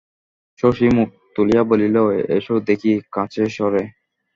শশী মুখ তুলিয়া বলিল, এসো দেখি কাছে সরে।